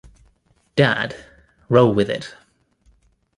'Dad, roll with it.